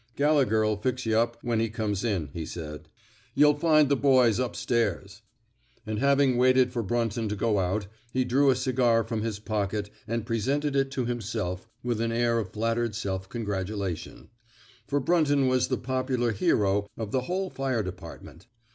Gallegher '11 fix yuh up when he comes in, he said. Yuh '11 120 IN THE NATXJEE OF A HEKO find the boys up stairs/* And having waited for Brunton to go out, he drew a cigar from his pocket and presented it to himself with an air of flattered self congratulation. For Brunton was the popular hero " of the whole fire department.